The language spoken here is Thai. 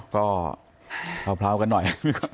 ก็เพลากันหน่อย